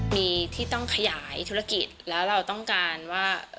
มีที่ต้องขยายธุรกิจแล้วเราต้องการว่า